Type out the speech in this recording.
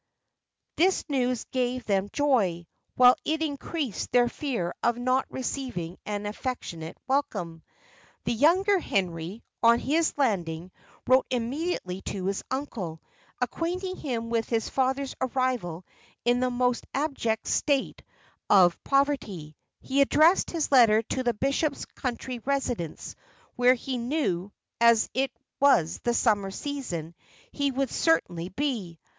This news gave them joy, while it increased their fear of not receiving an affectionate welcome. The younger Henry, on his landing, wrote immediately to his uncle, acquainting him with his father's arrival in the most abject state of poverty; he addressed his letter to the bishop's country residence, where he knew, as it was the summer season, he would certainly be.